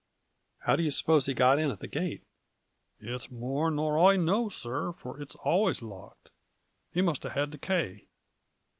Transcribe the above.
" How do you suppose he got in at the gate ?"" It's more nor I know, sir, for it's always locked. He must have had the kay."